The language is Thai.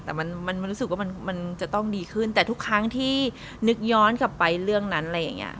แต่มันมันรู้สึกว่ามันจะต้องดีขึ้นแต่ทุกครั้งที่นึกย้อนกลับไปเรื่องนั้นอะไรอย่างเงี้ย